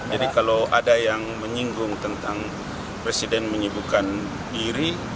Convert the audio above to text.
jadi kalau ada yang menyinggung tentang presiden menyibukkan diri